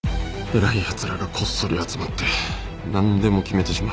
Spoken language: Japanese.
偉いやつらがこっそり集まって何でも決めてしまう。